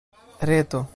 reto